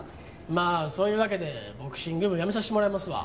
まあそういうわけでボクシング部やめさせてもらいますわ。